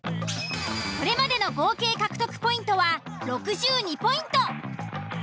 これまでの合計獲得ポイントは６２ポイント。